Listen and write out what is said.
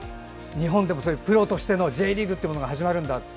日本でも、プロとしてのＪリーグが始まるんだと。